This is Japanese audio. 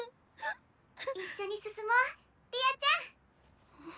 「一緒に進もう理亞ちゃん」。